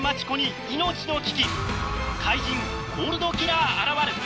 「怪人コール・Ｄ・キラー現る！」